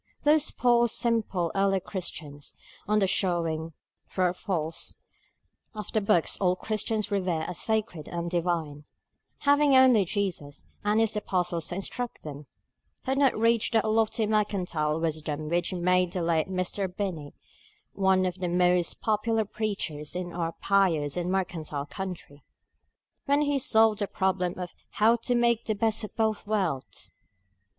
Those poor simple early Christians (on the showing, true or false, of the books all Christians revere as sacred and divine), having only Jesus and his apostles to instruct them, had not reached that lofty mercantile wisdom which made the late Mr. Binney one of the most popular preachers in our pious and mercantile country, when he solved the problem of How to Make the Best of Both Worlds.